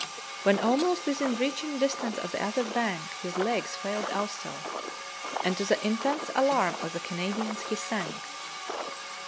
When almost within reaching distance of the other bank his legs failed also, and to the intense alarm of the Canadians he sank.